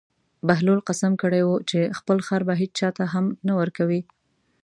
بهلول قسم کړی و چې خپل خر به هېچا ته هم نه ورکوي.